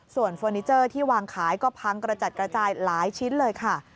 ส่วนเฟอร์นิเจอร์ที่วางขายก็พังกระจัดกระจายหลายชิ้นเลยค่ะ